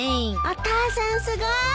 お父さんすごい！